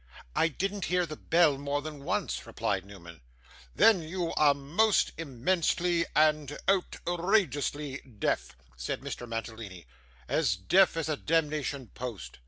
'I didn't hear the bell more than once,' replied Newman. 'Then you are most immensely and outr i geously deaf,' said Mr Mantalini, 'as deaf as a demnition post.